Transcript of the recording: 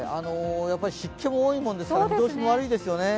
湿気も多いものですから見通しも悪いですよね。